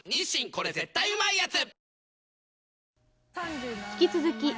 これ絶対うまいやつ」